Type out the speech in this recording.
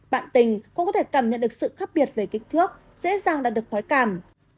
bạn tình cũng có thể cảm nhận được sự khác biệt về kích thước dễ dàng đạt được khói cảm